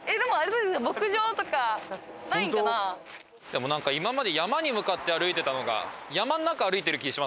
でもなんか今まで山に向かって歩いてたのが山の中歩いてる気しますね